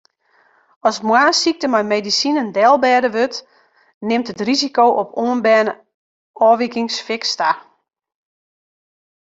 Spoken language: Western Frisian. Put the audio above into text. As moarnssykte mei medisinen delbêde wurdt, nimt it risiko op oanberne ôfwikingen fiks ta.